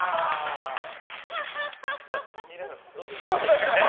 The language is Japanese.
皆さん、どうでした。